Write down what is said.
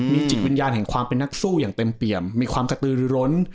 มีจิตวิญญาณแห่งความเป็นนักสู้อย่างเต็มเปี่ยมมีความกระตือหรือร้น